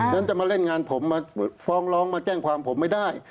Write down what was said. นั้นจะมาเล่นงานผมมาฟ้องร้องมาแจ้งความผมไม่ได้